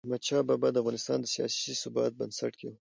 احمدشاه بابا د افغانستان د سیاسي ثبات بنسټ کېښود.